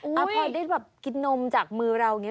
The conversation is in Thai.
เอามาพอได้แบบกินนมจากมือเรา